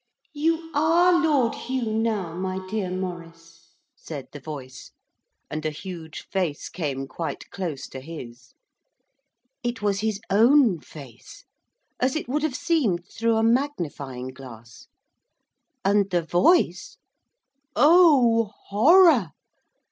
'You are Lord Hugh now, my dear Maurice,' said the voice, and a huge face came quite close to his. It was his own face, as it would have seemed through a magnifying glass. And the voice oh, horror!